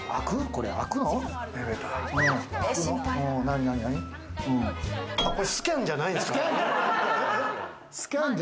これスキャンじゃないんですか？